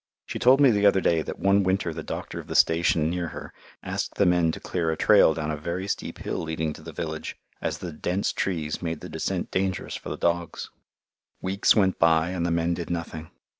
She told me the other day that one winter the doctor of the station near her asked the men to clear a trail down a very steep hill leading to the village, as the dense trees made the descent dangerous for the dogs. Weeks went by and the men did nothing.